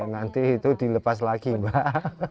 nanti itu dilepas lagi mbak